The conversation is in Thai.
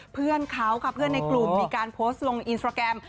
เพื่อนเขาค่ะเพื่อนในกลุ่มมีการโพสต์ลงอินสตราแกรม